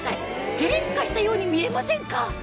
変化したように見えませんか？